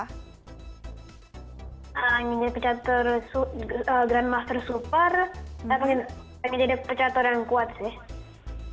ingin menjadi grand master super atau ingin menjadi pecatur yang kuat sih